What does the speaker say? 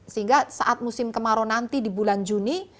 sehingga saat musim kemarau nanti di bulan juni